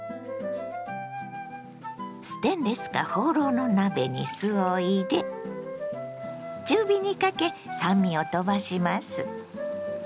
ステンレスかホウロウの鍋に酢を入れ中火にかけ酸味をとばします。